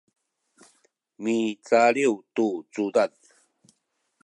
micaliw tu cudad